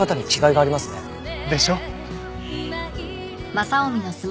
でしょ！